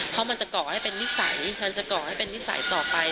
เพราะมันจะก่อให้เป็นนิสัยมันจะก่อให้เป็นนิสัยต่อไป